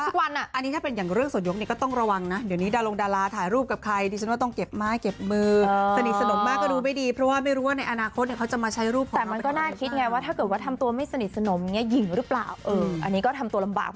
ก็อย่างที่เกิดขึ้นคือตอนนี้มันมีแบบเยอะจริงนะ